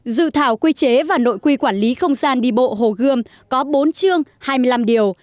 dự thảo quy chế và nội quy quản lý không gian đi bộ hồ gươm có bốn chương hai mươi năm điều